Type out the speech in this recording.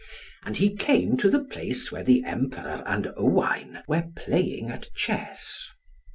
And he came to the place where the Emperor and Owain were playing at chess.